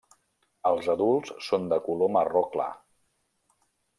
Els adults són de color marró clar.